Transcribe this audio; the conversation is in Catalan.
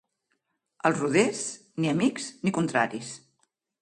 Els roders, ni amics ni contraris.